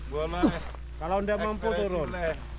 buanglah kalau nggak mampu turun